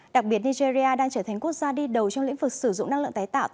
đặc biệt nigeria đang trở thành quốc gia đi đầu trong lĩnh vực sử dụng năng lượng tái tạo